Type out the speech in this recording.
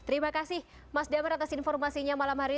terima kasih mas damar atas informasinya malam hari ini